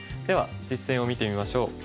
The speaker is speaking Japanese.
では実戦を見てみましょう。